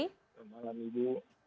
selamat malam ibu